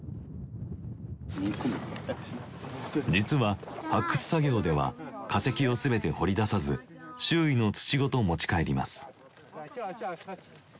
実は発掘作業では化石を全て掘り出さず周囲の土ごと持ち帰ります。